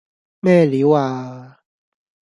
咩料呀